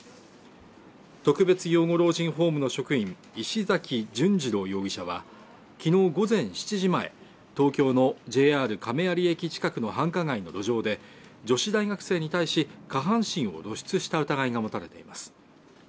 特別養護老人ホームの職員石崎淳二朗容疑者は昨日午前７時前東京のＪＲ亀有駅近くの繁華街の路上で女子大学生に対し下半身を露出した疑いが持たれています